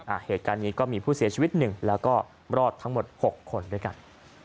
เหตุการณ์นี้ก็มีผู้เสียชีวิตหนึ่งแล้วก็รอดทั้งหมดหกคนด้วยกัน